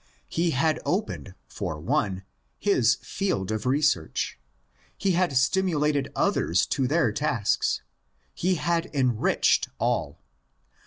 He had opened for one his field of research ; he had stimulated others to their tasks ; he had enriched all.